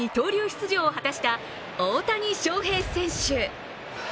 出場を果たした大谷翔平選手。